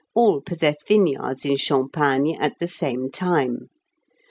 all possessed vineyards in Champagne at the same time.